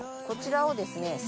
こちらをですね。